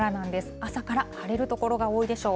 朝から晴れる所が多いでしょう。